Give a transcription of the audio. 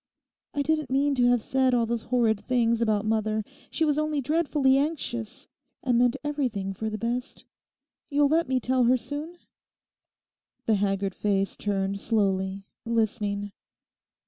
I didn't mean to have said all those horrid things about mother. She was only dreadfully anxious and meant everything for the best. You'll let me tell her soon?' The haggard face turned slowly, listening.